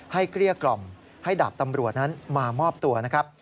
เกลี้ยกล่อมให้ดาบตำรวจนั้นมามอบตัวนะครับ